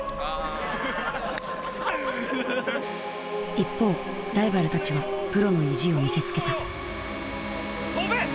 一方ライバルたちはプロの意地を見せつけた跳べ！